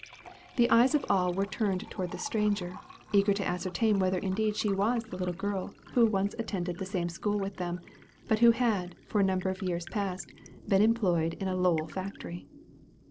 The eyes of all were turned towards the stranger, eager to ascertain whether indeed she was the little girl who once attended the same school with them, but who had, for a number of years past, been employed in a "Lowell factory."